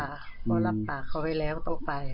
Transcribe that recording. เพราะรับปากเขาไว้แล้วต้องไป